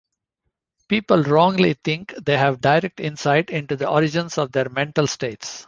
People wrongly think they have direct insight into the origins of their mental states.